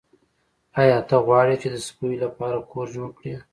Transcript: ایا ته غواړې چې د سپیو لپاره کور جوړ کړې